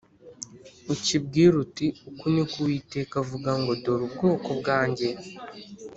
ukibwire uti Uku ni ko Uwiteka avuga ngo Dore ubwoko bwanjye